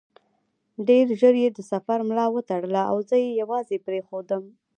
ډېر ژر یې د سفر ملا وتړله او زه یې یوازې پرېښودم.